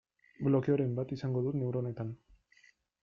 Blokeoren bat izango dut neuronetan.